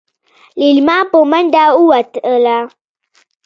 ليلما په منډه ووتله.